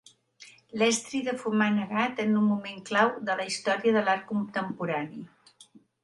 L'estri de fumar negat en un moment clau de la història de l'art contemporani.